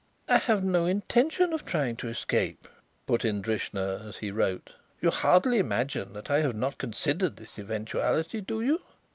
"I have no intention of trying to escape," put in Drishna, as he wrote. "You hardly imagine that I have not considered this eventuality, do you?"